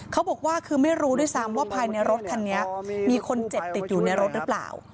เขาบอกว่าคือไม่รู้ด้วยซ้ำว่าภายในรถคันนี้มีคนเจ็บติดอยู่ในรถหรือเปล่า